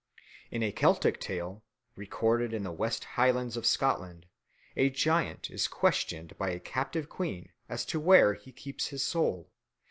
In a Celtic tale, recorded in the West Highlands of Scotland, a giant is questioned by a captive queen as to where he keeps his soul.